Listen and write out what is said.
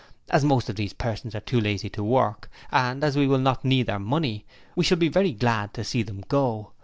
As most of these persons are too lazy to work, and as we will not need their money, we shall be very glad to see them go.